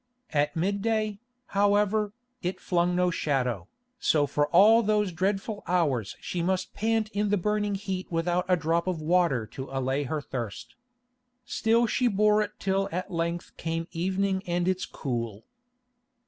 At mid day, however, it flung no shadow, so for all those dreadful hours she must pant in the burning heat without a drop of water to allay her thirst. Still she bore it till at length came evening and its cool.